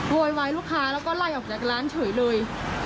โวยวายลูกค้าแล้วก็ไล่ออกจากร้านเฉยเลย